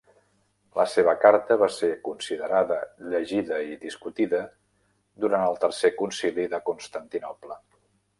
La seva carta va ser considerada, llegida i discutida durant el tercer concili de Constantinoble.